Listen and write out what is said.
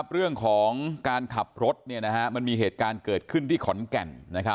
เรื่องของการขับรถมันมีเหตุการณ์เกิดขึ้นที่ขอนแก่น